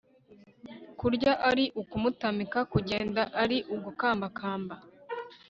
kurya ari ukumutamika, kugenda ari ugukamabakamba